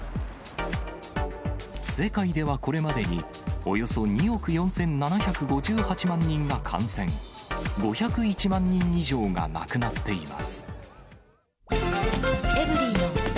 世界ではこれまでに、およそ２億４７５８万人が感染、５０１万人以上が亡くなっています。